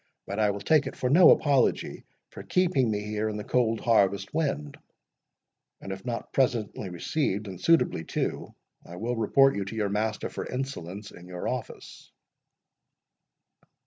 But I will take it for no apology for keeping me here in the cold harvest wind; and if not presently received, and suitably too, I will report you to your master for insolence in your office."